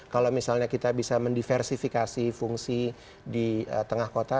kalau misalnya kita bisa mendiversifikasi fungsi di tengah kota